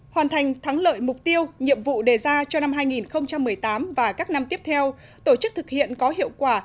hoàn thành thắng lợi mục tiêu nhiệm vụ đề ra cho năm hai nghìn một mươi tám và các năm tiếp theo tổ chức thực hiện có hiệu quả